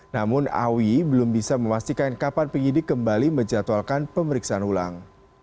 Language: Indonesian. namun awi belum bisa memastikan kapan penyidik kembali menjatuhkan pemeriksaan ulang